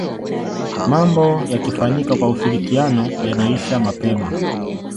mambo yakifanyika kwa ushirikiano yanaisha mapema